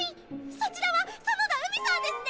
そちらは園田海未さんですね！